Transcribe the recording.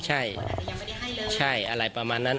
ใช่ใช่อะไรประมาณนั้น